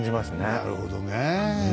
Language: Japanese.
なるほどね。